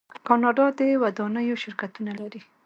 کاناډا د ودانیو شرکتونه لري.